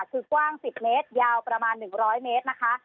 คือกว้างสิบเมตรยาวประมาณหนึ่งร้อยเมตรนะคะ